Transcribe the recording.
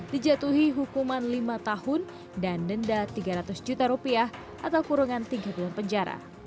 dijatuhi hukuman lima tahun dan denda tiga ratus juta rupiah atau kurungan tiga bulan penjara